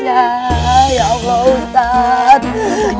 ya allah ustadz